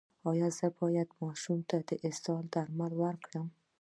ایا زه باید ماشوم ته د اسهال درمل ورکړم؟